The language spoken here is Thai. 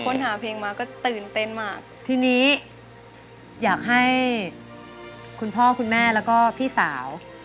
หาเพลงมาก็ตื่นเต้นมากทีนี้อยากให้คุณพ่อคุณแม่แล้วก็พี่สาว